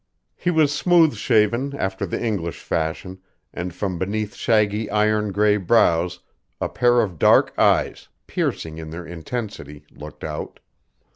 He was smooth shaven after the English fashion and from beneath shaggy iron gray brows a pair of dark eyes, piercing in their intensity, looked out.